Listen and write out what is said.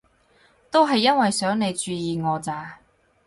都係因為想你注意我咋